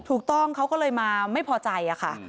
ถูกต้องเขาก็เลยมาไม่พอใจค่ะ